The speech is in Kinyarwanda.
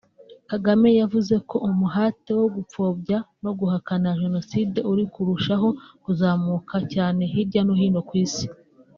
Kagame yavuze ko umuhate wo gupfobya no guhakana Jenoside uri kurushaho kuzamuka cyane hirya no hino ku isi